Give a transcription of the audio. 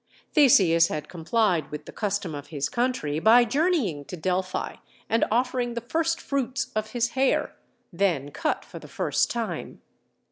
Theseus had complied with the custom of his country by journeying to Delphi and offering the first fruits of his hair, then cut for the first time.